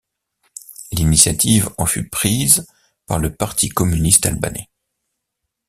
L'initiative en fut prise par le Parti communiste albanais.